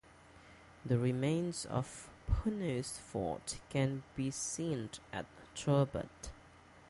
The remains of Punnu's fort can still be seen at Turbat.